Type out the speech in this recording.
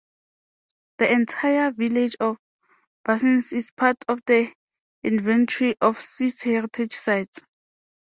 The entire village of Bursins is part of the Inventory of Swiss Heritage Sites.